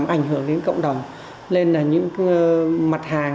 ảnh hưởng đến cộng đồng lên là những mặt hàng